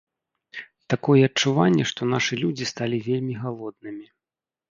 Такое адчуванне, што нашы людзі сталі вельмі галоднымі.